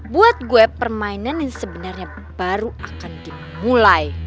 buat saya permainan ini sebenarnya baru akan dimulai